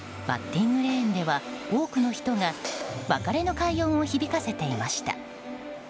バッティングレーンでは多くの人が別れの快音を響かせていました。